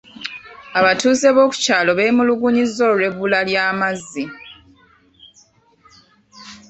Abatuuze b’oku kyalo bemulugunyiza olw'ebbula ly'amazzi.